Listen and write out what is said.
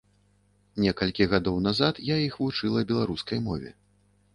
Некалькі гадоў назад я іх вучыла беларускай мове.